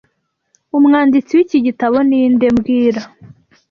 Umwanditsi w'iki gitabo ni nde mbwira